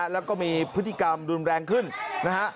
แล้วก็มีพฤติกรรมรุนแรงขึ้นนะฮะ